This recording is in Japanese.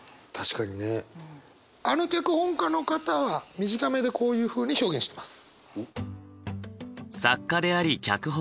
あの脚本家の方は短めでこういうふうに表現してます。